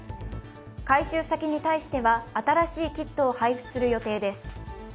回収先に対しては、新しいキットを配布する予定です。